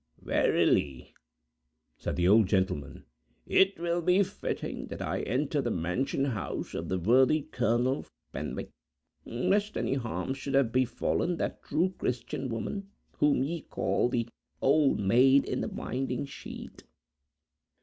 "Verily," said the old gentleman, "it will be fitting that I enter the mansion house of the worthy Colonel Fenwicke, lest any harm should have befallen that true Christian woman, whom ye call the 'Old Maid in the Winding Sheet.